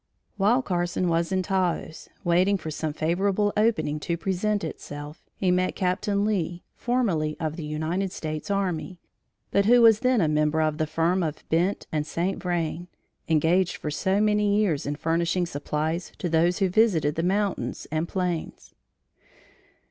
While Carson was in Taos, waiting for some favorable opening to present itself, he met Captain Lee, formerly of the United States Army, but who was then a member of the firm of Bent and St. Vrain, engaged for so many years in furnishing supplies to those who visited the mountains and plains.